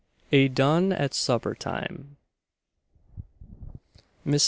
A DUN AT SUPPER TIME. Mr.